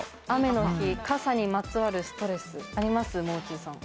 雨の日、傘にまつわるストレスあります？